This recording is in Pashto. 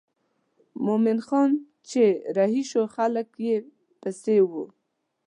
مومن خان چې رهي شو خلک یې پسې وو.